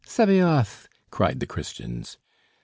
sabaoth'!" cried the Christians.